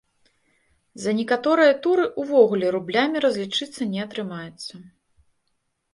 За некаторыя туры увогуле рублямі разлічыцца не атрымаецца.